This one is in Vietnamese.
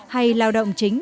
hay lao động chính